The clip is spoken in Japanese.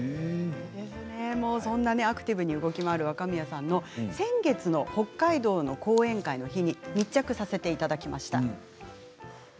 そんなアクティブな若宮さんの先月の北海道の講演会の日に密着させていただきました。